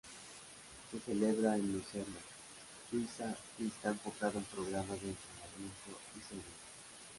Se celebra en Lucerna, Suiza, y está enfocado en programas de entretenimiento y series.